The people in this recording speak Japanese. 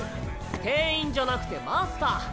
店員じゃなくてマスター。